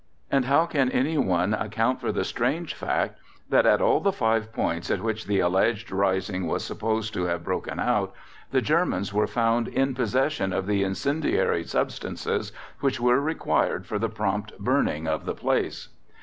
And how can anyone account for the strange fact that, at all the five points at which the alleged rising was supposed to have broken out, the Germans were found in possession of the incendiary substances which were required for the prompt burning of the place?